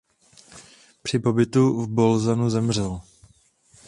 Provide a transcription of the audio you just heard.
Při pobytu v Bolzanu zemřel.